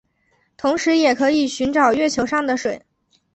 同时也可以寻找月球上的水。